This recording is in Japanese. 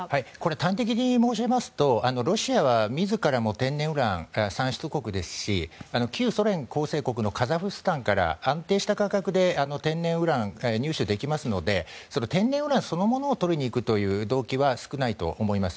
端的に申し上げますとロシアは自らも天然ウランの産出国ですし旧ソ連構成国のカザフスタンから安定した価格で天然ウランを入手できますので天然ウランそのものを取りにいく動機は少ないと思います。